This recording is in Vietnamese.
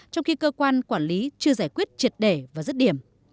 trong khi cơ quan quản lý chưa giải quyết triệt đề và dứt điểm